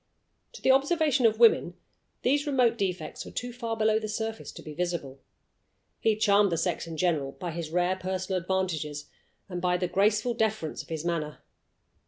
To the observation of women these remote defects were too far below the surface to be visible. He charmed the sex in general by his rare personal advantages, and by the graceful deference of his manner.